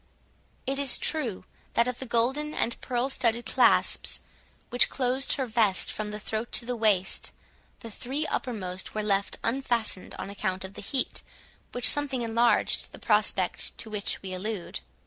It is true, that of the golden and pearl studded clasps, which closed her vest from the throat to the waist, the three uppermost were left unfastened on account of the heat, which somewhat enlarged the prospect to which we allude.